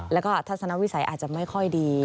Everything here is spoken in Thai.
แล้วก็ทัศนวิสัยอาจจะไม่ค่อยดี